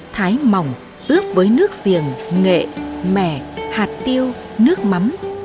thái mỏng ướp với nước riềng nghệ mẻ hạt tiêu nước mắm